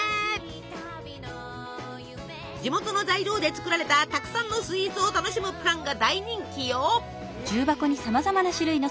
地元の材料で作られたたくさんのスイーツを楽しむプランが大人気よ！